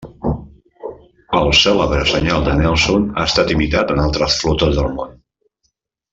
El cèlebre senyal de Nelson ha estat imitat en altres flotes del món.